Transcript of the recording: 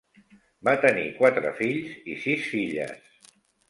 Va tenir quatre fills i sis filles.